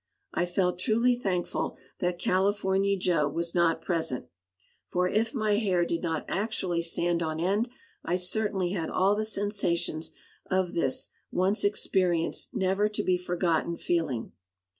I felt truly thankful that California Joe was not present, for if my hair did not actually stand on end, I certainly had all the sensations of this once experienced never to be forgotten feeling.